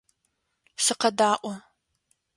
Сыкъэдаӏо.